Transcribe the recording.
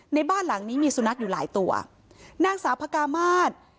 ในบ้านหลังนี้มีสุนัขอยู่หลายตัวนางสาวพระกามาศ